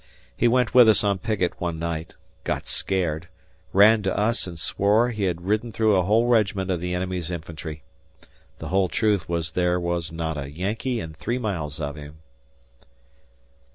He went with us on picket one night, got scared, ran to us and swore he had ridden through a whole regiment of the enemy's infantry. The whole truth was there was not a Yankee in three miles of him.